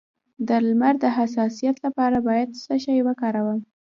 د لمر د حساسیت لپاره باید څه شی وکاروم؟